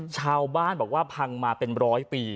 ชาวบ้านบอกว่าพังมาเป็นร้อยปี